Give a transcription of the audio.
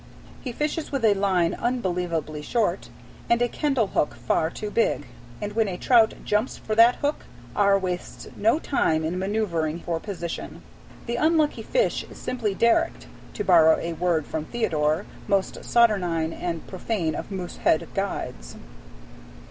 He fishes with a line unbelievably short, and a Kendal hook far too big; and when a trout jumps for that hook, R. wastes no time in manoeuvring for position. The unlucky fish is simply "derricked," to borrow a word from Theodore, most saturnine and profane of Moosehead guides.